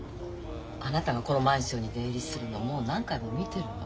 あなたがこのマンションに出入りするのもう何回も見てるの。